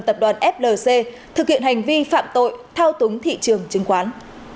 tập đoàn flc thực hiện hành vi phạm tội thao túng thị trường chứng khoán